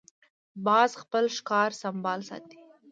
باز خپل ښکار سمبال ساتي